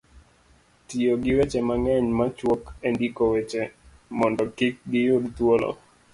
tiyo gi weche mang'eny machuok e ndiko weche mondo kik giyud thuolo